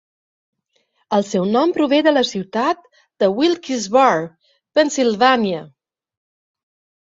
El seu nom prové de la ciutat de Wilkes-Barre, Pennsylvania.